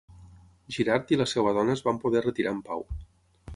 Girard i la seva dona es van poder retirar en pau.